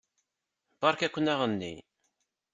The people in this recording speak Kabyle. Beṛka-ken aɣenni.